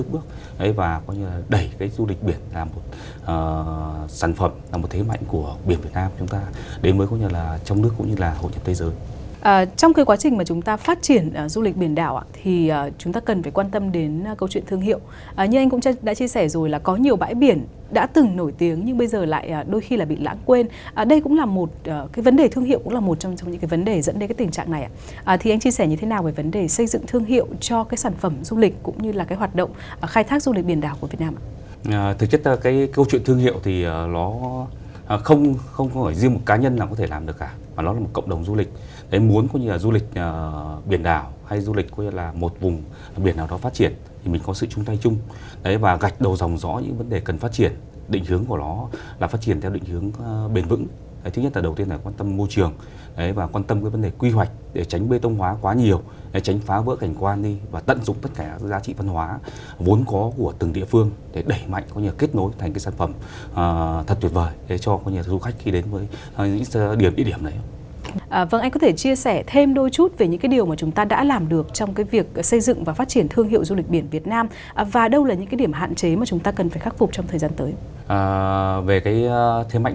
các tài nguyên du lịch biển này đang được khai thác phục vụ phát triển du lịch biển này đang được khai thác phục vụ phát triển du lịch biển này đang được khai thác phục vụ phát triển du lịch biển này đang được khai thác phục vụ phát triển du lịch biển này đang được khai thác phục vụ phát triển du lịch biển này đang được khai thác phục vụ phát triển du lịch biển này đang được khai thác phục vụ phát triển du lịch biển này đang được khai thác phục vụ phát triển du lịch biển này đang được khai thác phục vụ phát triển du lịch biển này đang được khai thác phục vụ phát triển du lịch bi